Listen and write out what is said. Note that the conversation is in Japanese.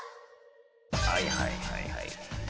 はいはいはいはい。